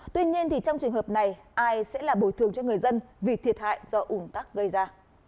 tuy nhiên trong trường hợp này ai sẽ là bồi thường cho người dân vì thiệt hại do ủn tắc gây ra